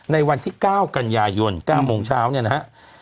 ในวันที่๙กันยายน๙โมงเช้าเนี่ยนะฮะ